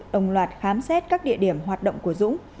đồng loạt khám xét các địa điểm hoạt động của dũng